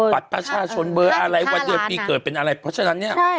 บัตรประชาชนเบอร์อะไรวันเดือนปีเกิดเป็นอะไรเพราะฉะนั้นเนี่ย